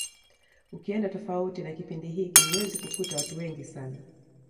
Ukienda tofauti na kipindi hiki huwezi kukuta watu wengi sana